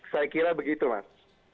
saya kira begitu mas